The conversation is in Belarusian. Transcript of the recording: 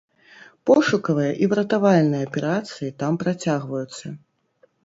Пошукавыя і выратавальныя аперацыі там працягваюцца.